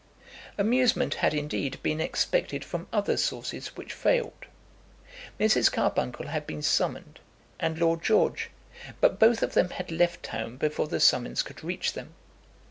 Amusement had, indeed, been expected from other sources which failed. Mrs. Carbuncle had been summoned, and Lord George; but both of them had left town before the summons could reach them.